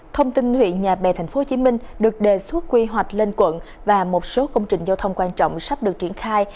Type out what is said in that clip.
thông tin huyện nhà bè tp hcm được đề xuất quy hoạch lên quận và một số công trình giao thông quan trọng sắp được triển khai